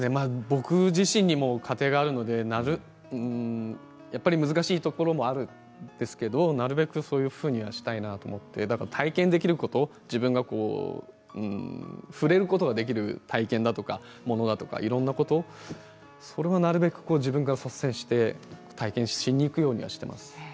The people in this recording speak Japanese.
僕自身も家庭があるのでやっぱり難しいところもあるんですけれどなるべくそういうふうにしたいなと思ってだから体験できること自分が触れることができる体験だとか、ものだとかいろいろなことそれはなるべく自分から率先して体験しにいくようにはしています。